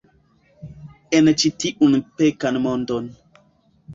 En ĉi tiun pekan mondon.